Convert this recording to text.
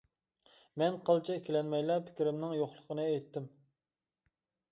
مەن قىلچە ئىككىلەنمەيلا پىكرىمنىڭ يوقلۇقىنى ئېيتتىم.